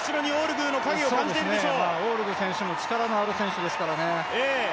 オールグー選手も力のある選手ですからね。